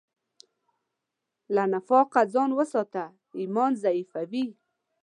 له نفاقه ځان وساته، ایمان ضعیفوي.